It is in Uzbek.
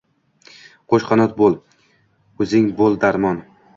Qoʼsh qanot boʼl, Oʼzing boʼl darmon